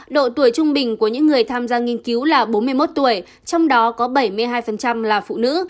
độ tuổi trung bình của những người tham gia nghiên cứu là bốn mươi một tuổi trong đó có bảy mươi hai là phụ nữ